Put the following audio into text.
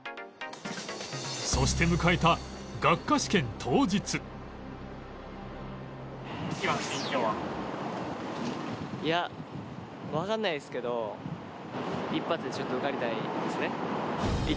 そして迎えた今の心境は？いやわかんないですけど一発でちょっと受かりたいですね。